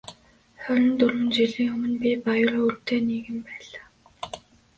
Хорин дөрвөн жилийн өмнө би баяр хөөртэй нэгэн байлаа.